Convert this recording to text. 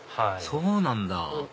そうなんだ